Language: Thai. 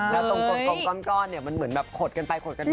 แล้วตรงกลมก้อนเนี่ยมันเหมือนแบบขดกันไปขดกันมา